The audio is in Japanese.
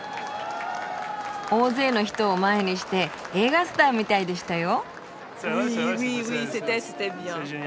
大勢の人を前にして映画スターみたいでしたよ。